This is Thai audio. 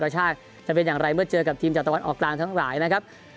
ชาติจะเป็นอย่างไรเมื่อเจอกับทีมจากตะวันออกกลางทั้งหลายนะครับ